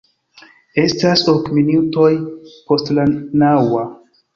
Estas ok minutoj post la naŭa.